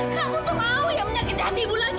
kamu tuh mau ya menyakiti hati ibu lagi